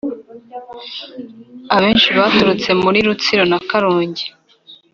abenshi baturutse muri Rutsiro na Karongi